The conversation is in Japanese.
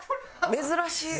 珍しい。